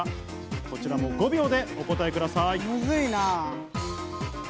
こちらも５秒でお答えください。